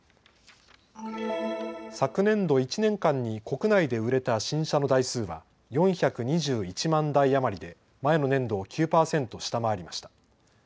昨年度、１年間に国内で売れた新車の台数は４２１万台余りで前の年度を９％下回りました。